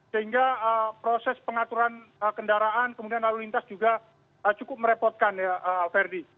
sehingga proses pengaturan kendaraan kemudian lalu lintas juga cukup merepotkan ya alverdi